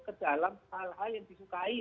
ke dalam hal hal yang disukai